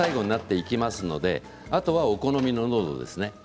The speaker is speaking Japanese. あとはお好みの濃度ですね。